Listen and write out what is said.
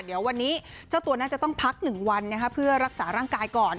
เดี๋ยววันนี้เจ้าตัวน่าจะต้องพัก๑วันเพื่อรักษาร่างกายก่อน